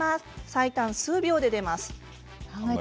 最短、数秒で出ます。